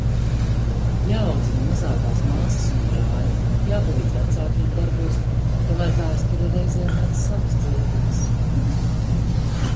Jāaudzina mazākās māsas un brāļi. Jāpalīdz vecākiem darbos. Tomēr vēsture reizēm met savas cilpiņas.